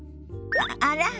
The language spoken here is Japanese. あら？